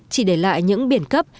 chỉ để lại những biển cấp